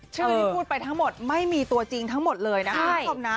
ชื่อที่พูดไปทั้งหมดไม่มีตัวจริงทั้งหมดเลยนะคุณผู้ชมนะ